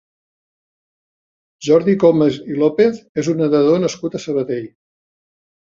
Jordi Comas i López és un nedador nascut a Sabadell.